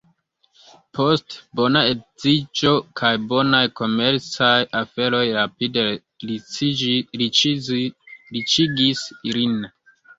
Poste, bona edziĝo kaj bonaj komercaj aferoj rapide riĉigis lin.